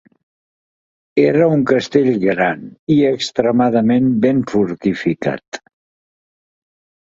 Era un castell gran i extremadament ben fortificat.